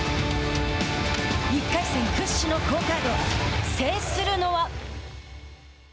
１回戦、屈指の好カード制するのは。